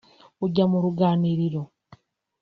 ujya mu ruganiriro